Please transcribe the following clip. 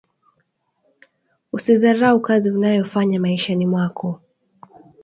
Usi zarau kazi unayo fanya maishani mwako